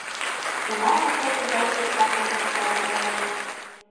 Кунам эше тыгай спектакльым ужаш логалеш?